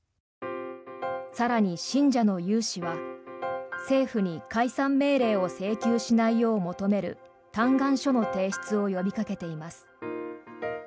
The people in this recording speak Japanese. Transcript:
更に、信者の有志は政府に解散命令を請求しないよう求める嘆願書の提出を呼びかけています。